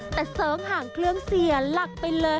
แต่เสิร์งห่างเครื่องเสียหลักไปเลย